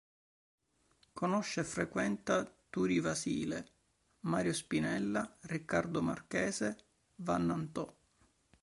Conosce e frequenta Turi Vasile, Mario Spinella, Riccardo Marchese, Vann'Antò.